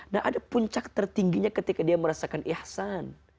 nah ada puncak tertingginya ketika dia merasakan ihsan